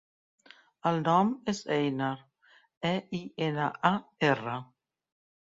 El nom és Einar: e, i, ena, a, erra.